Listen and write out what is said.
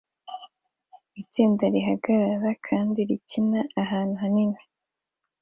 Itsinda rihagarara kandi rikina ahantu hanini